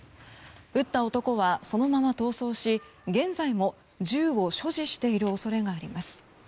撃った男はそのまま逃走し現在も銃を所持している恐れがあります。